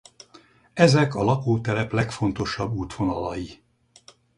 Ezek a lakótelep legfontosabb útvonalai.